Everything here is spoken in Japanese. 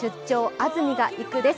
安住がいく」です。